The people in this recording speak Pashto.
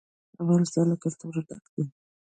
افغانستان له کلتور ډک دی.